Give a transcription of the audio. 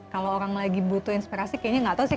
kalau orang lagi butuh inspirasi kayaknya nggak tau sih